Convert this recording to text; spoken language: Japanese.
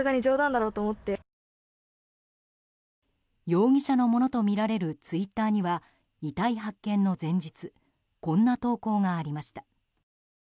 容疑者のものとみられるツイッターには遺体発見の前日こんな投稿がありました。